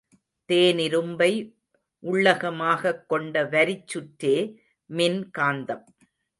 தேனிரும்பை உள்ளகமாகக் கொண்ட வரிச்சுற்றே மின்காந்தம்.